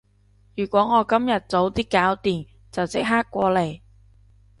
如果我今日早啲搞掂，就即刻過嚟